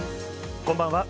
こんばんは。